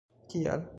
kial